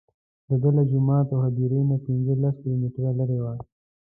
دده له جومات او هدیرې نه پنځه لس کیلومتره لرې وه.